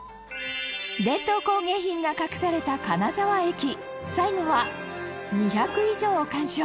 伝統工芸品が隠された金沢駅最後は「２００以上を鑑賞！